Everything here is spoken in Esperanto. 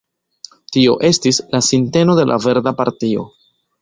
Tio estis la sinteno de la Verda Partio.